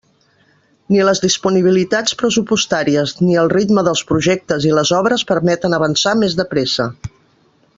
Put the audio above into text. Ni les disponibilitats pressupostàries ni el ritme dels projectes i les obres permeten avançar més de pressa.